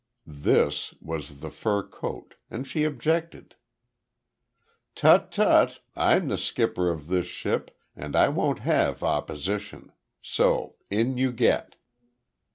"This" was the fur coat and she objected. "Tut tut, I'm skipper of this ship, and I won't have opposition. So in you get."